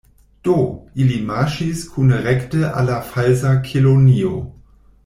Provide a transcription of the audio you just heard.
Do, ili marŝis kune rekte al la Falsa Kelonio.